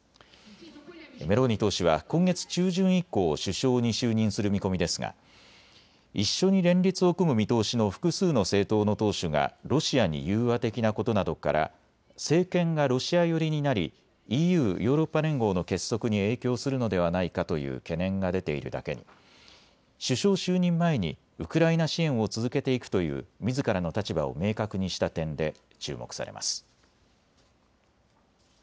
メローニ党首は今月中旬以降、首相に就任する見込みですが一緒に連立を組む見通しの複数の政党の党首がロシアに融和的なことなどから政権がロシア寄りになりＥＵ・ヨーロッパ連合の結束に影響するのではないかという懸念が出ているだけに首相就任前にウクライナ支援を続けていくというみずからの立場を明確にした点で注目されます。